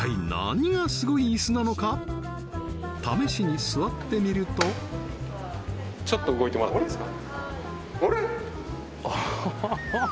試しに座ってみるとちょっと動いてもらっていいですか？